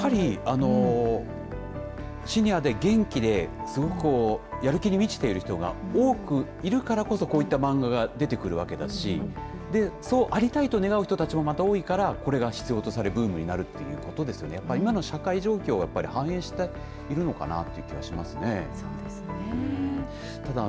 やっぱりシニアで元気ですごくやる気に満ちている人が多くいるからこそこういった漫画が出てくるわけだしそうありたいと願う人たちもまた多いからこれが必要とされるブームになるということですので今の社会状況が反映されているのかなと気がします。